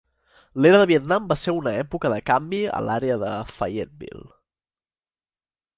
L'era de Vietnam va ser una època de canvi a l'àrea de Fayetteville.